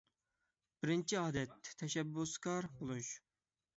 بىرىنچى ئادەت، تەشەببۇسكار بولۇش.